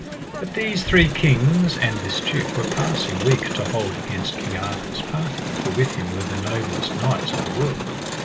But these three kings and this duke were passing weak to hold against King Arthur's party, for with him were the noblest knights of the world.